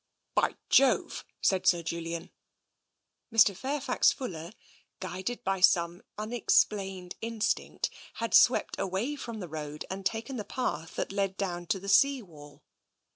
By Jove !" said Sir Julian. Mr. Fairfax Fuller, guided by some unexplained in stinct, had swept away from the road and taken the path that led down to the sea wall.